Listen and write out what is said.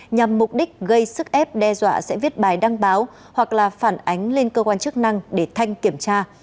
nhằm mục đích gây sức ép đe dọa sẽ viết bài đăng báo hoặc là phản ánh lên cơ quan chức năng để thanh kiểm tra